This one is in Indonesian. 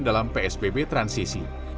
dalam psbb transisi